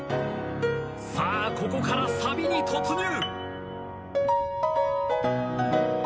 さあここからサビに突入。